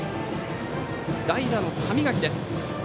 代打の神垣です。